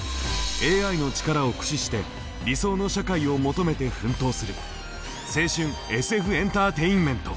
ＡＩの力を駆使して理想の社会を求めて奮闘する青春ＳＦエンターテインメント！